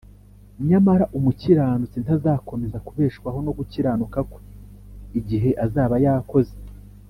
Nyamara umukiranutsi ntazakomeza kubeshwaho no gukiranuka kwe igihe azaba yakoze